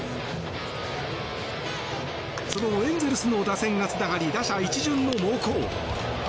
その後、エンゼルスの打線がつながり打者１巡の猛攻。